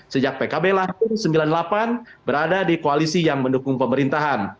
sejak pkb lalu seribu sembilan ratus sembilan puluh delapan berada di koalisi yang mendukung pemerintahan